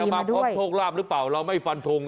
มาพร้อมโชคลาภหรือเปล่าเราไม่ฟันทง